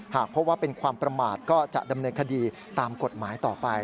หากพบว่าเป็นความประมาทก็จะดำเนินคดีตามกฎหมายต่อไป